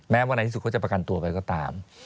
ว่าในที่สุดเขาจะประกันตัวไปก็ตาม